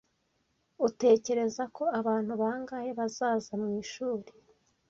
Utekereza ko abantu bangahe bazaza mu ishuri?